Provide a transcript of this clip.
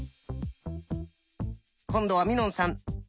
今度はみのんさん。